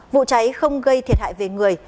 vụ cháy không gây thiệt hại về người